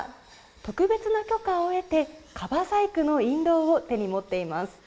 特別な許可を得て樺細工の印籠を手に持っています。